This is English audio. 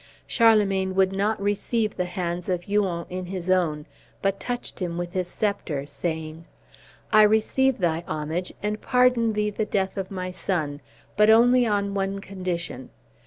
Charlemagne would not receive the hands of Huon in his own, but touched him with his sceptre, saying, "I receive thy homage, and pardon thee the death of my son, but only on one condition.